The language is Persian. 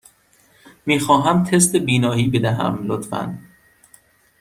می خواهم تست بینایی بدهم، لطفاً.